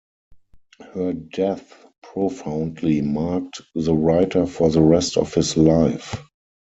Her death profoundly marked the writer for the rest of his life.